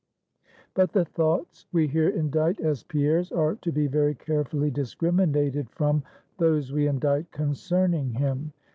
But the thoughts we here indite as Pierre's are to be very carefully discriminated from those we indite concerning him.